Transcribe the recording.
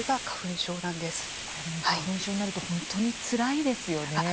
花粉症になると本当につらいですよね？